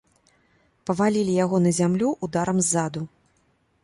Павалілі яго на зямлю ударам ззаду.